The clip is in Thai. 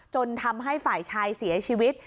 จนทำให้ฝ่ายชายเสียชีวิต